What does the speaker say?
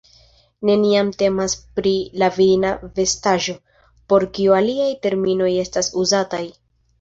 Neniam temas pri la virina vestaĵo, por kiu aliaj terminoj estas uzataj.